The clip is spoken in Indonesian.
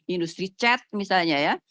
industri cat misalnya ya